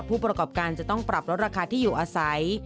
ผู้ประกอบการจะต้องปรับลดราคาที่อยู่อาศัย